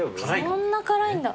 そんな辛いんだ。